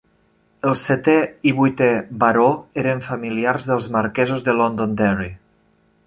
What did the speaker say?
El setè i vuitè baró eren familiars dels marquesos de Londonderry.